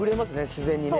自然にね。